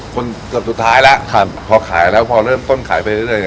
คนเกือบสุดท้ายแล้วครับพอขายแล้วพอเริ่มต้นขายไปเรื่อย